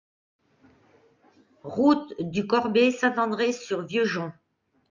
Route du Corbet, Saint-André-sur-Vieux-Jonc